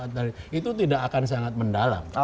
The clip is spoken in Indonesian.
oke tidak akan anda mempredisi tidak akan sangat mendalam ya